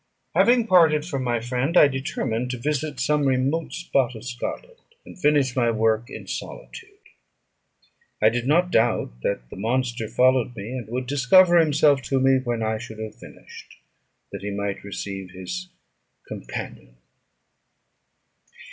Having parted from my friend, I determined to visit some remote spot of Scotland, and finish my work in solitude. I did not doubt but that the monster followed me, and would discover himself to me when I should have finished, that he might receive his companion.